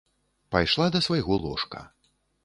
Пайшла да свайго ложка.